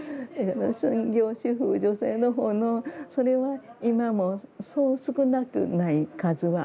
専業主婦女性の方のそれは今もそう少なくない数はあると思うんですね。